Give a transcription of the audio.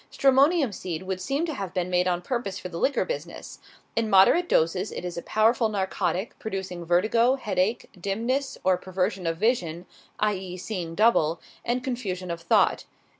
Stramonium seed would seem to have been made on purpose for the liquor business. In moderate doses it is a powerful narcotic, producing vertigo, headache, dimness or perversion of vision (i. e., seeing double) and confusion of thought.